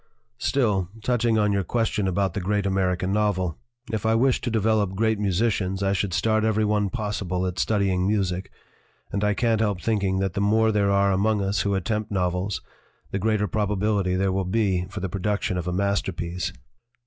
"Still touching on your other question about the great American novel if I wished to develop great musicians I should start every one possible at studying music, and I can't help thinking that the more there are among us who attempt novels the greater probability there will be for the pro duction of a masterpiece.